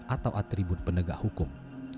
atau atribut penegak hukum